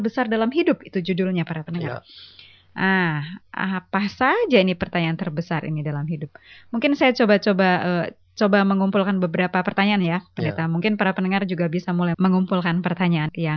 saudara semua itu telah pasti